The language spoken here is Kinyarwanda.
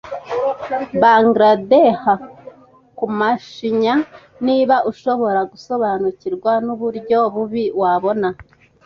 bungled. Ah! Kumashinya, niba ushobora gusobanukirwa nuburyo bubi, wabona!